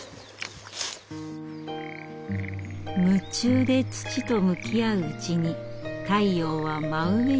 夢中で土と向き合ううちに太陽は真上に。